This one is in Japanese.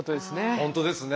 本当ですね。